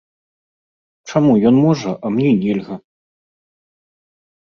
Чаму ён можа, а мне нельга?